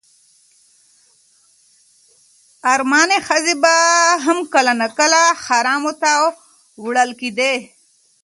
ارمني ښځې به هم کله ناکله حرم ته وړل کېدې.